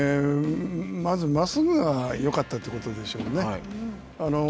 まず、まっすぐがよかったということでしょうね。